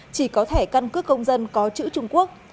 chỉ có thẻ căn cước công dân có chữ trung quốc